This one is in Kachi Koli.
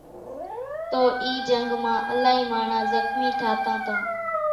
تو اِي جنگ مان الائي ماڻۿان زخمي ٿاتان تان